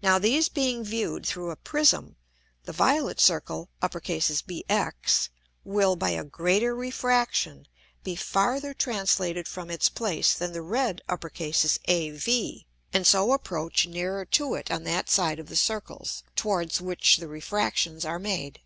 Now these being view'd through a Prism, the violet Circle BX, will, by a greater Refraction, be farther translated from its place than the red AV, and so approach nearer to it on that side of the Circles, towards which the Refractions are made.